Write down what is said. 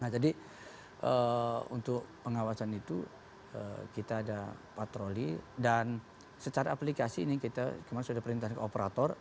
nah jadi untuk pengawasan itu kita ada patroli dan secara aplikasi ini kita kemarin sudah perintahkan ke operator